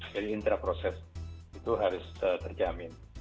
jadi intraproses itu harus terjamin